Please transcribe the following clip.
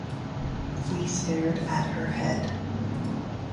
We stared at her head.